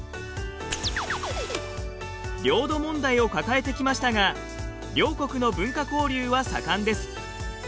領土問題を抱えてきましたが両国の文化交流は盛んです。